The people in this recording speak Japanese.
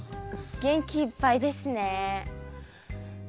元気いっぱいですね。